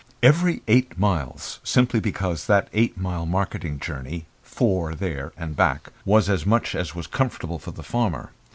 Every eight miles simply because that eight mile marketing journey, four there and back, was as much as was comfortable for the farmer.